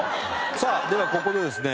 さあではここでですね